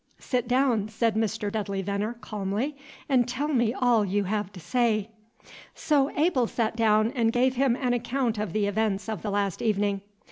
"Sit down," said Mr. Dudley Veneer, calmly, "and tell me all you have to say." So Abel sat down and gave him an account of the events of the last evening.